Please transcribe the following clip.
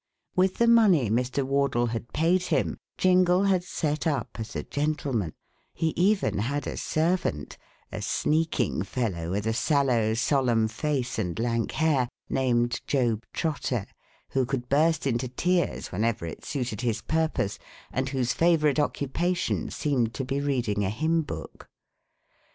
With the money Mr. Wardle had paid him Jingle had set up as a gentleman: he even had a servant a sneaking fellow with a sallow, solemn face and lank hair, named Job Trotter, who could burst into tears whenever it suited his purpose and whose favorite occupation seemed to be reading a hymn book.